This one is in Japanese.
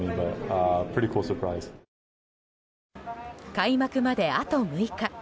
開幕まで、あと６日。